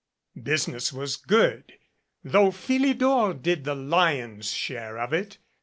Business was good, though Philidor did the lion's share of it.